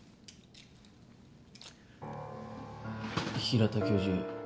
平田教授